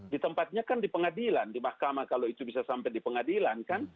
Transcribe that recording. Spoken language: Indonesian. di tempatnya kan di pengadilan di mahkamah kalau itu bisa sampai di pengadilan kan